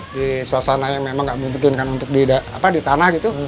di suasana yang memang nggak mungkin kan untuk di tanah gitu